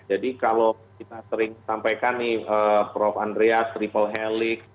jadi kalau kita sering sampaikan nih prof andreas triple helix